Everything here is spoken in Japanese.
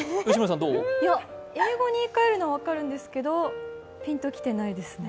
英語に言い換えるのは分かるんですけど、ピンと来てないですね。